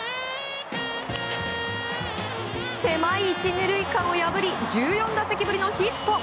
狭い１、２塁間を破り１４打席ぶりのヒット。